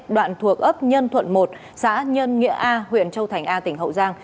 đoạn thuộc ấp nhân thuận một xã nhân nghĩa a huyện châu thành a tỉnh hậu giang